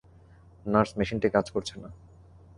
Nurse, মেশিনটি কাজ করছে না।